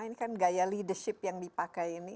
ini kan gaya leadership yang dipakai ini